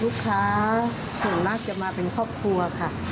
ลูกค้าส่วนมากจะมาเป็นครอบครัวค่ะ